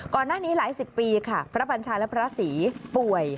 ก่อนหน้านี้หลายสิบปีค่ะพระบัญชาและพระศรีป่วย